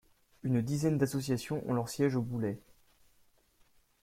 Une dizaine d'associations ont leur siège au Boulay.